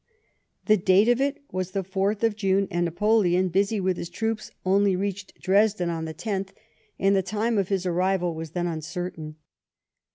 The date of it was the 4th of June, and Napoleon, busy with his troops, only reached Dresden on the 10th, and the time of his arrival was then uncertain.